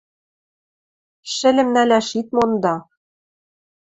– Шӹльӹм нӓлӓш ит монды.